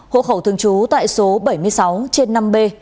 hộ khẩu thường trú tại số bảy mươi sáu trên năm b